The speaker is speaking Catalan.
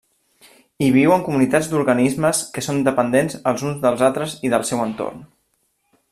Hi viuen comunitats d'organismes que són dependents els uns dels altres i del seu entorn.